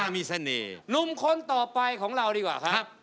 หนุ่มคนต่อไปของเราดีกว่าครับ